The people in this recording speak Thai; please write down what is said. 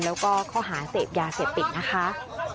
แล้วก็ข้อหาเสพยาเสพติดนะคะ